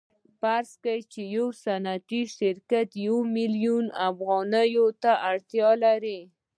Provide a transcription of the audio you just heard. فرض کړئ یو صنعتي شرکت یو میلیون افغانیو ته اړتیا لري